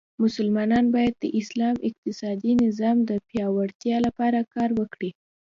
مسلمانان باید د اسلام اقتصادې نظام د پیاوړتیا لپاره کار وکړي.